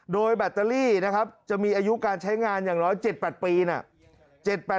โดยแบตเตอรี่นะครับจะมีอายุการใช้งานอย่างน้อย๗๘ปีนะ